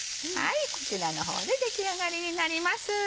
こちらの方で出来上がりになります。